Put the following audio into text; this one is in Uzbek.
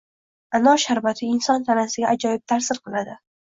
Anor sharbati inson tanasiga ajoyib ta’sir qiladi.